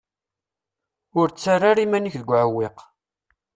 Ur ttarra ara iman-ik deg uɛewwiq.